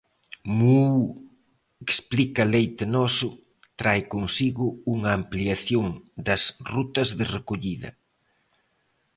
'Muuu', explica Leite Noso, trae consigo unha "ampliación das rutas de recollida".